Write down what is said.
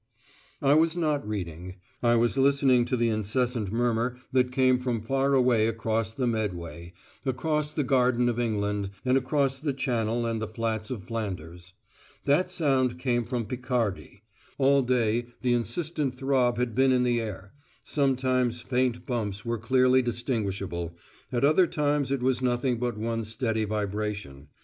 I was not reading: I was listening to the incessant murmur that came from far away across the Medway, across the garden of England, and across the Channel and the flats of Flanders. That sound came from Picardy. All day the insistent throb had been in the air; sometimes faint bumps were clearly distinguishable, at other times it was nothing but one steady vibration.